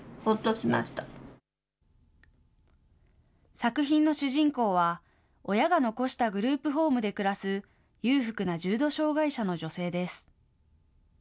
作品の主人公は、親が残したグループホームで暮らす裕福な重度障害者の女性です。